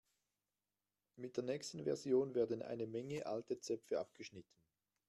Mit der nächsten Version werden eine Menge alte Zöpfe abgeschnitten.